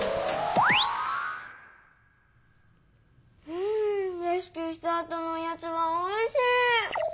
うんレスキューしたあとのおやつはおいし！